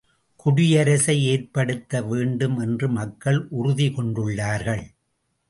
குடியரசை ஏற்படுத்த வேண்டும் என்று மக்கள் உறுதி கொண்டுள்ளார்கள்.